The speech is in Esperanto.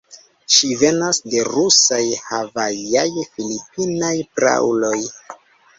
Ŝi venas de rusaj, havajaj, filipinaj prauloj.